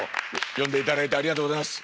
呼んでいただいてありがとうございます。